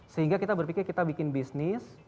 sehingga kita berpikir kita bikin bisnis